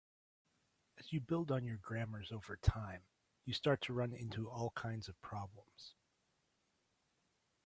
As you build on your grammars over time, you start to run into all kinds of problems.